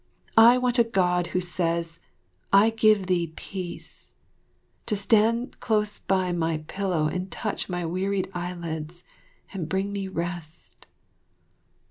I want that God who says, "I give thee Peace," to stand close by my pillow and touch my wearied eyelids and bring me rest.